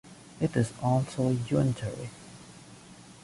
It is also unitary.